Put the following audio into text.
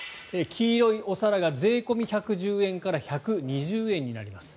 黄色いお皿が税込み１１０円から１２０円になります。